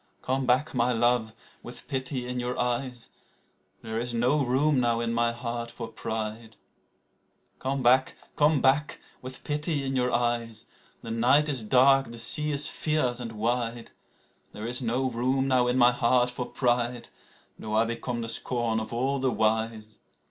Come back, my love, with pity in your eyes ! There is no room now in my heart for pride. 70 PLAINTE ETERNELLE Come back, come back ! with pity in your eyes. (The night is dark, the sea is fierce and wide.) There is no room now in my heart for pride, Though I become the scorn of all the wise.